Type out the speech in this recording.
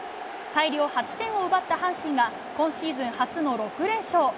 大量８点を奪った阪神が今シーズン初の６連勝。